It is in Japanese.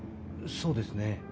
そうですね。